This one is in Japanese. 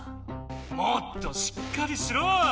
もっとしっかりしろ！